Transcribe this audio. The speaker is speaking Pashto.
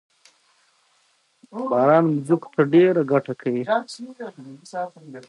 ازادي راډیو د اقلیتونه د منفي اغېزو په اړه له کارپوهانو سره خبرې کړي.